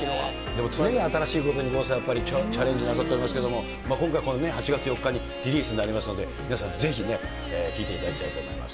次々と新しいことにチャレンジなさってますけど、今回、この８月４日にリリースになりますので、皆さん、ぜひ、聴いていただきたいと思います。